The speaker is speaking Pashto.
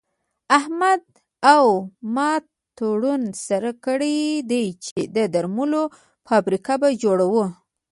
احمد او ما تړون سره کړی دی چې د درملو فابريکه به جوړوو.